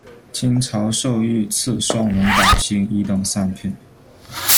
清朝授御赐双龙宝星一等三品。